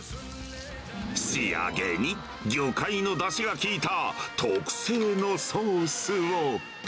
仕上げに魚介のだしが効いた特製のソースを。